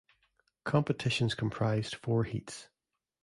Competitions comprised four heats.